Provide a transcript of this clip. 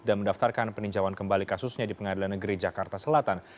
dan mendaftarkan peninjauan kembali kasusnya di pengadilan negeri jakarta selatan